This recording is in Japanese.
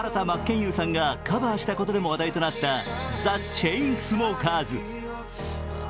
真剣佑さんがカバーしたことでも話題になったザ・チェインスモーカーズ。